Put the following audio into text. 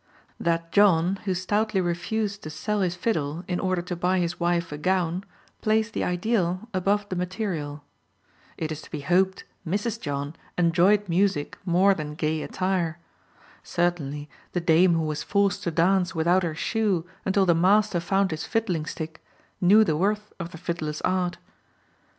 That John who stoutly refused to sell his fiddle in order to buy his wife a gown placed the ideal above the material. It is to be hoped Mrs. John enjoyed music more than gay attire. Certainly the dame who was forced to dance without her shoe until the master found his fiddling stick knew the worth of the fiddler's art.